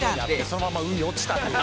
そのまま海に落ちたっていう。